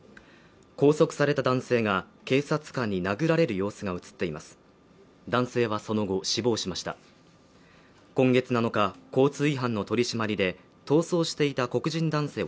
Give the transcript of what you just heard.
拘束された男性が警察官に殴られる様子が映っています